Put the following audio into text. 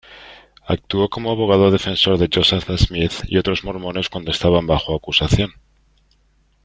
Actuó como abogado defensor de Joseph Smith y otros mormones cuando estaban bajo acusación.